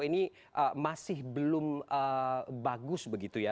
ini masih belum bagus begitu ya